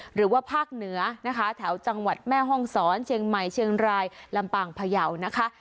หรือว่าภาคเหนือนะคะแถวจังหวัดแม่ห้องศรเชียงใหม่เชียงรายลำปางพยาวนะคะ